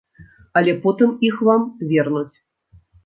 Але потым іх вам вернуць.